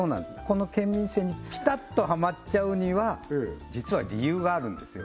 この県民性にピタッとハマっちゃうには実は理由があるんですよ